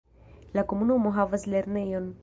La komunumo havas lernejon.